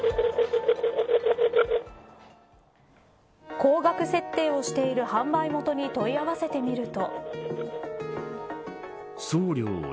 高額設定をしている販売元に問い合わせてみると。